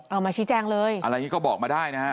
เอามาชี้แจงเลยอะไรอย่างนี้ก็บอกมาได้นะฮะ